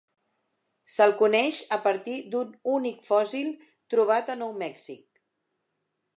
Se'l coneix a partir d'un únic fòssil trobat a Nou Mèxic.